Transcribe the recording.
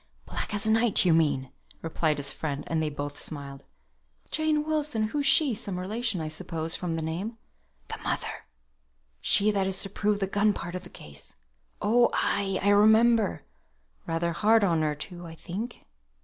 "Black as night, you mean," replied his friend; and they both smiled. "Jane Wilson! who's she? some relation, I suppose, from the name." "The mother, she that is to prove the gun part of the case." "Oh, ay I remember! Rather hard on her, too, I think."